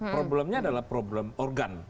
problemnya adalah problem organ